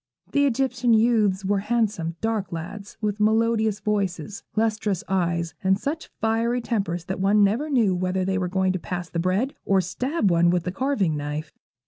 The Egyptian youths were handsome, dark lads, with melodious voices, lustrous eyes, and such fiery tempers that one never knew whether they were going to pass the bread or stab one with the carving knife.